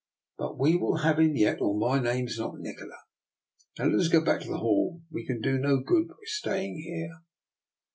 But we will have him yet, or my name's not Nikola. Now let us go back to the hall; we can do no good by staying here."